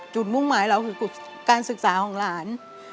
มุ่งหมายเราคือการศึกษาของหลาน